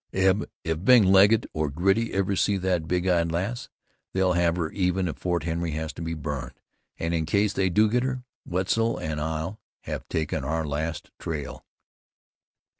"Eb, if Bing Legget or Girty ever see that big eyed lass, they'll have her even if Fort Henry has to be burned, an' in case they do get her, Wetzel an' I'll have taken our last trail."